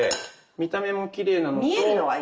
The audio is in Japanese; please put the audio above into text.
見た目もきれいなのと。